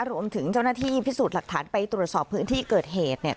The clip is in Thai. รวมถึงเจ้าหน้าที่พิสูจน์หลักฐานไปตรวจสอบพื้นที่เกิดเหตุเนี่ย